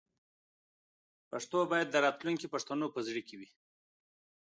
پښتو باید د راتلونکي پښتنو په زړه کې وي.